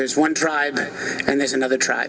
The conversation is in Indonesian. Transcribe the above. ada satu kota dan ada satu kota lain